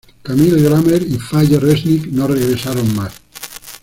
Camille Grammer y Faye Resnick no regresaron más.